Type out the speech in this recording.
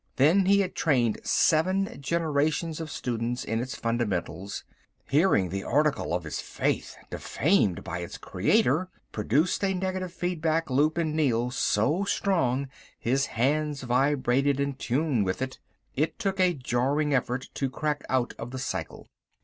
Then he had trained seven generations of students in its fundamentals. Hearing the article of his faith defamed by its creator produced a negative feedback loop in Neel so strong his hands vibrated in tune with it. It took a jarring effort to crack out of the cycle.